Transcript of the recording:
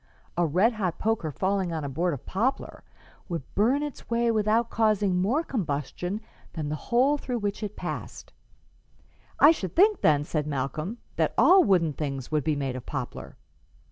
A red hot poker falling on a board of poplar would burn its way without causing more combustion than the hole through which it passed.'" "I should think, then," said Malcolm, "that all wooden things would be made of poplar."